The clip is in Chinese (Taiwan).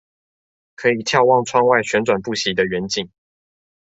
可以眺望窗外旋轉不息的遠景